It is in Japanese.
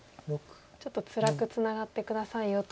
「ちょっとつらくツナがって下さいよ」と。